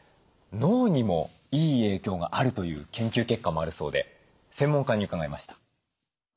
脳にもいい影響があるという研究結果もあるそうで専門家に伺いました。